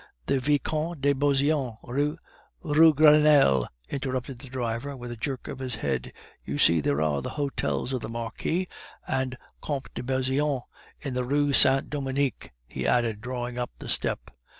"The Vicomte de Beauseant, Rue " "De Grenelle," interrupted the driver, with a jerk of his head. "You see, there are the hotels of the Marquis and Comte de Beauseant in the Rue Saint Dominique," he added, drawing up the step.